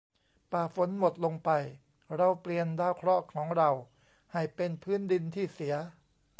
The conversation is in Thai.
ป่าฝนหมดลงไป เราเปลี่ยนดาวเคราะห์ของเราให้เป็นพื้นดินที่เสีย